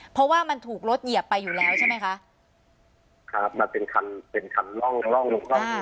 เพราะว่ามันถูกรถเหยียบไปอยู่แล้วใช่ไหมคะครับมันเป็นคันเป็นคันร่องร่อง